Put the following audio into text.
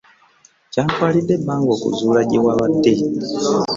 Kyantwalidde ebbanga okuzuula gye wabadde.